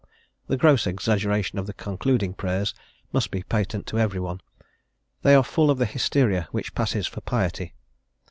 The gross exaggeration of the concluding prayers must be patent to everyone; they are full of the hysteria which passes for piety.